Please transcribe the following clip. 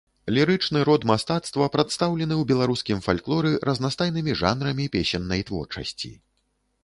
Лірычны род мастацтва прадстаўлены ў беларускім фальклоры разнастайнымі жанрамі песеннай творчасці.